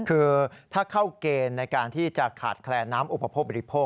คือถ้าเข้าเกณฑ์ในการที่จะขาดแคลนน้ำอุปโภคบริโภค